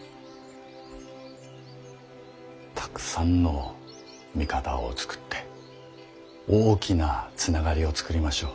たくさんの味方を作って大きなつながりを作りましょう。